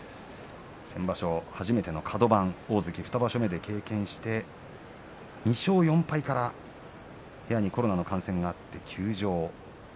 先場所初めてのカド番大関２場所目で経験して２勝４敗から部屋にコロナの感染があって休場。